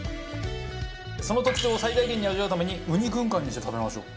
その特徴を最大限に味わうためにウニ軍艦にして食べましょう。